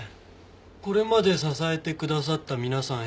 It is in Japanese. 「これまで支えて下さったみなさんへ」